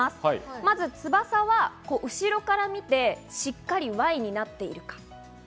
まず翼は、後ろから見てしっかり「Ｙ」になっているか。